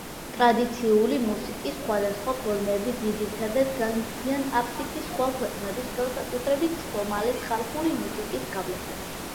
ტრადიციული მუსიკის სხვადასხვა ფორმები ძირითადად განიცდიან აფრიკის სხვა ქვეყნების, განსაკუთრებით, სომალის ხალხური მუსიკის გავლენას.